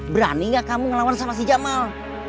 berani nggak kamu ngelawan si jamal